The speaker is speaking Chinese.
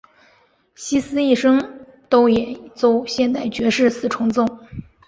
希斯一生都演奏现代爵士四重奏。